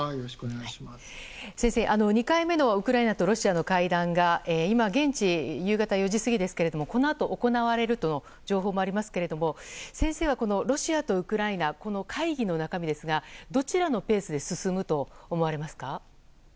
先生、２回目のウクライナとロシアの会談が今、現地夕方４時過ぎですがこのあと行われるとの情報もありますけれども先生はロシアとウクライナのこの会議の中身ですがどちらのペースで進むと思われますか。